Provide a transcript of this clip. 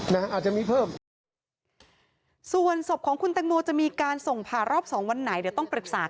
แล้วก็ไม่พบว่ามีการฟันหัดตามที่เป็นข่าวทางโซเชียลก็ไม่พบ